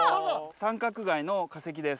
三角貝の化石です。